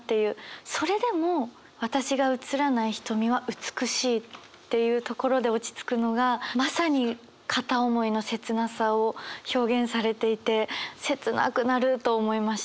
それでも私が映らない瞳は美しいっていうところで落ち着くのがまさに片思いの切なさを表現されていて切なくなると思いました。